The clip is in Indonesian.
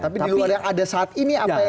tapi di luar yang ada saat ini apa ya